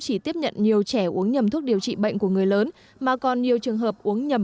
chỉ tiếp nhận nhiều trẻ uống nhầm thuốc điều trị bệnh của người lớn mà còn nhiều trường hợp uống nhầm